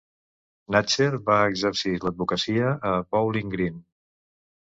Natcher va exercir l'advocacia a Bowling Green.